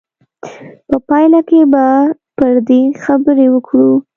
په پایله کې به پر دې خبرې وکړو.